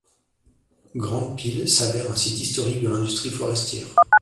Grandes-Piles s'avère un site historique de l'industrie forestière.